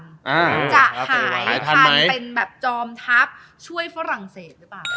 จะหายทันเป็นแบบจอมทัพช่วยฝรั่งเศสหรือเปล่า